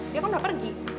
dia kan udah pergi